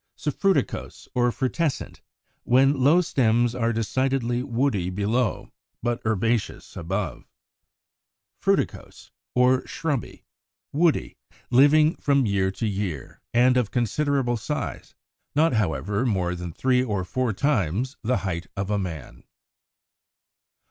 Suffruticose or Frutescent, when low stems are decidedly woody below, but herbaceous above. Fruticose or Shrubby, woody, living from year to year, and of considerable size, not, however, more than three or four times the height of a man.